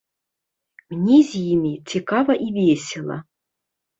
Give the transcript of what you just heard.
Мне з імі цікава і весела.